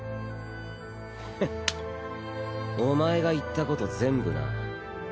お前が言ったこと全部な。